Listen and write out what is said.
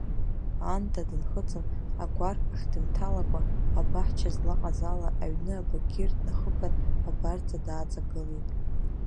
Аанда дынхыҵын, агәарԥ ахь дымҭалакәа, абаҳча злаҟаз ала, аҩны абагьыр днахыԥан, абарҵа дааҵагылеит.